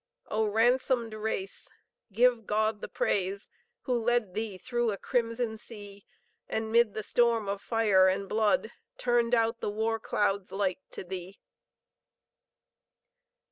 O ransomed race! give God the praise, Who led thee through a crimson sea, And 'mid the storm of fire and blood, Turned out the war cloud's light to thee.